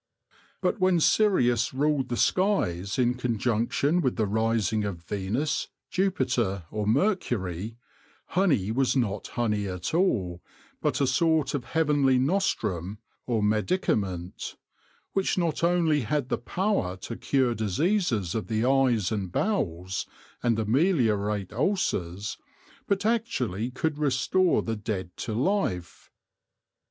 But when Sirius ruled the skies in conjunction with the rising of Venus, Jupiter, or Mercury, honey was not honey at all, but a sort of heavenly nostrum or medicament, which not only had the power to cure diseases of the eyes and bowels, and ameliorate ulcers, but actually could restore the dead to life.